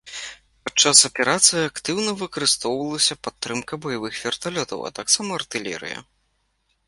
Падчас аперацыі актыўна выкарыстоўвалася падтрымка баявых верталётаў, а таксама артылерыя.